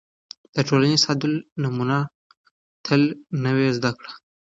د ټولنیز تعامل نمونې تل نوې زده کړې